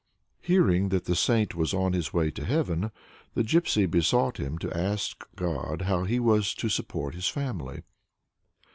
Hearing that the saint was on his way to heaven, the Gypsy besought him to ask of God how he was to support his family.